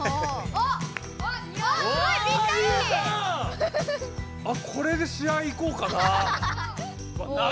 あっこれで試合行こうかな。